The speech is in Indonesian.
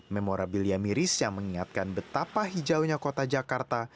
memorabilia miris yang mengingatkan betapa hijaunya kota jakarta